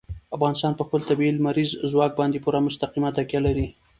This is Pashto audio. افغانستان په خپل طبیعي لمریز ځواک باندې پوره او مستقیمه تکیه لري.